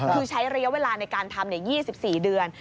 คือใช้ระยะเวลาในการทำ๒๔เดือน